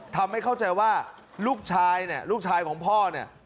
ทำให้เข้าใจว่าลูกชายเนี่ยลูกชายของพ่อเนี่ย